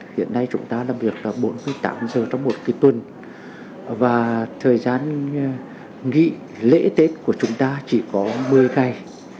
hiện nay chúng ta làm việc là bốn tám giờ trong một tuần và thời gian nghỉ lễ tết của chúng ta chỉ có một mươi ngày